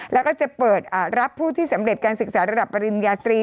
แล้วก็จะเปิดรับผู้ที่สำเร็จการศึกษาระดับปริญญาตรี